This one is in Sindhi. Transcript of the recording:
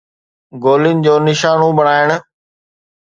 گولين جو نشانو بڻائڻ